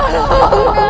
tolong bunuh raden